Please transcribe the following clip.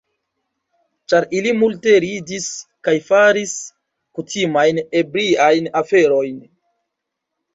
Ĉar ili multe ridis kaj faris kutimajn ebriajn aferojn.